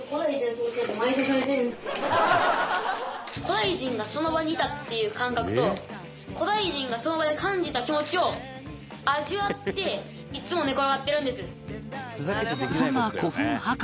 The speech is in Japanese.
古代人がその場にいたっていう感覚と古代人がその場で感じた気持ちを味わっていつも寝転がってるんです。